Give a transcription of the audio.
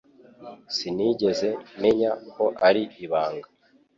Sinigeze menya ko ari ibanga